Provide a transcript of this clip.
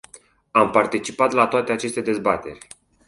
Am participat la toate aceste dezbateri.